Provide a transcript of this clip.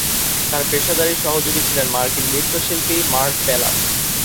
তার পেশাদারী সহযোগী ছিলেন মার্কিন নৃত্য শিল্পী মার্ক ব্যালাস।